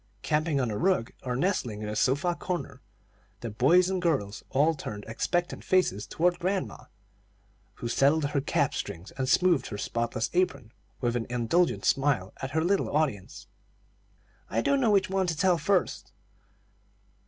Camping on the rug, or nestling in the sofa corner, the boys and girls all turned expectant faces toward grandma, who settled her cap strings and smoothed her spotless apron, with an indulgent smile at her little audience. "I don't know which one to tell first."